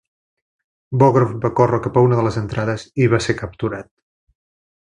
Bogrov va córrer cap a una de les entrades i va ser capturat.